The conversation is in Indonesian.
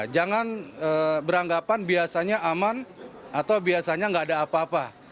jangan beranggapan biasanya aman atau biasanya nggak ada apa apa